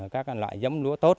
các loại giấm lúa tốt